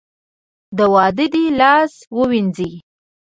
د واده دې لاس ووېنځي .